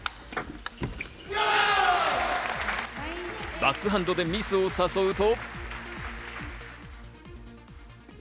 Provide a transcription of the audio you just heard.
バックハンドでミスを誘うと。